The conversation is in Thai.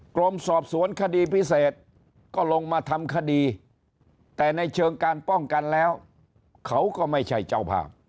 กรมสอบสวนคดีพิเศษก็ลงมาทำคดีแต่ในเชิงการป้องกันแล้วเขาก็ไม่ใช่เจ้าภาพ